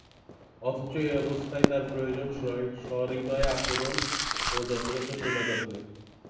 অথচ এ অবস্থায় তাঁর প্রয়োজন সহৃদয় আচরণ ও যথাযথ সেবা যত্নের।